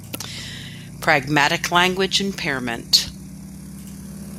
Pragmatic language impairment.